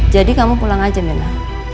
jadi kamu pulang aja mela